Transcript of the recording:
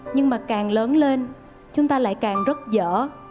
nhưng mà càng lớn lên chúng ta lại càng rất dở